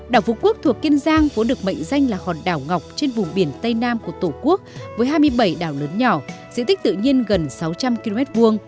đảo phú quốc thuộc kiên giang cũng được mệnh danh là hòn đảo ngọc trên vùng biển tây nam của tổ quốc với hai mươi bảy đảo lớn nhỏ diện tích tự nhiên gần sáu trăm linh km hai